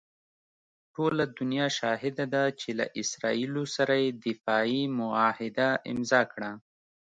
ټوله دنیا شاهده ده چې له اسراییلو سره یې دفاعي معاهده امضاء کړه.